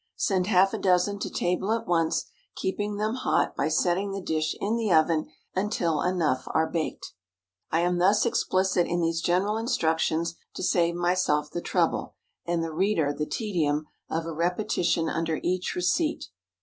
Send half a dozen to table at once, keeping them hot by setting the dish in the oven until enough are baked. I am thus explicit in these general instructions to save myself the trouble, and the reader the tedium, of a repetition under each receipt.